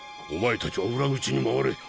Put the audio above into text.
お前たちは裏口に回れ。